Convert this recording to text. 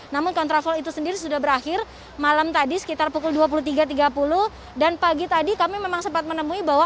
namun kontraflow itu sendiri sudah berakhir malam tadi sekitar pukul dua puluh tiga tiga puluh dan pagi tadi kami memang sempat menemui bahwa